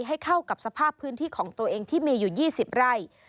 ให้เข้ากับสภาพพื้นที่ของตัวเองที่มีอยู่๒๐ไร่